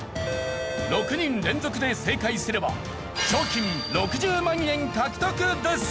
６人連続で正解すれば賞金６０万円獲得です！